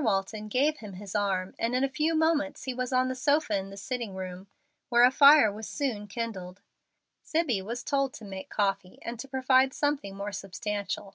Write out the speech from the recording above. Walton gave him his arm, and in a few moments he was on the sofa in the sitting room, where a fire was soon kindled. Zibbie was told to make coffee, and to provide something more substantial.